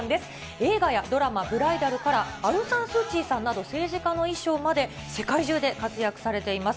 映画やドラマ、ブライダルから、アウン・サン・スー・チーさんなど政治家の衣装まで、世界中で活躍されています。